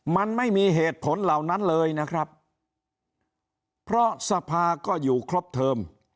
มันไม่มีเหตุผลเหล่านั้นเลยนะครับเพราะสภาก็อยู่ครบเทิม